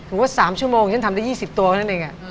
ว่า๓ชั่วโมงฉันทำได้๒๐ตัวเท่านั้นเอง